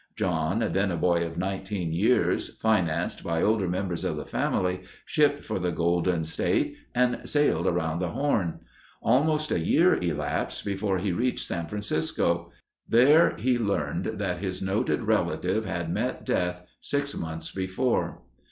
John, then a boy of nineteen years, financed by older members of the family, shipped for the Golden State and sailed around the Horn. Almost a year elapsed before he reached San Francisco. There he learned that his noted relative had met death six months before.